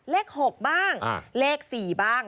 เลข๖บ้างเลข๔บ้าง